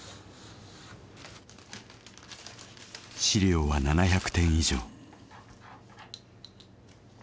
資料は７００点以上。